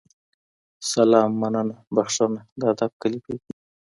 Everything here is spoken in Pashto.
سلام، مننه، بخښنه د ادب کلیمې دي.